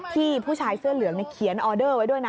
ผู้ชายเสื้อเหลืองเขียนออเดอร์ไว้ด้วยนะ